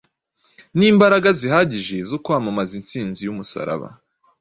n’imbaraga zihagije zo kwamamaza insinzi y’umusaraba.